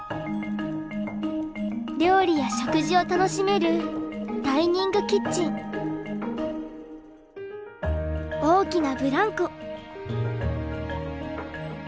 料理や食事を楽しめるダイニングキッチン大きなブランコ。